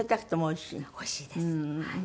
おいしいです。